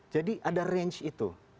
jadi ada range itu